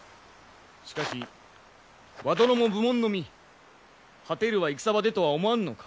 しかし和殿も武門の身果てるは戦場でとは思わぬのか？